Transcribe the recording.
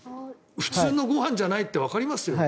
普通のご飯じゃないってわかりますよね。